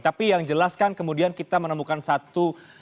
tapi yang jelas kan kemudian kita menemukan satu